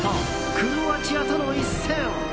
クロアチアとの一戦。